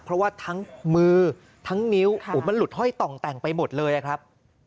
เพราะว่าทั้งมือทั้งนิ้วมันหลุดห้อยต่องแต่งไปหมดเลยอะครับ